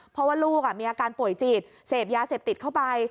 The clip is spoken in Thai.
เพราะว่าลูกมีอาการป่วยจิตเสพยาเสพติดเข้าไป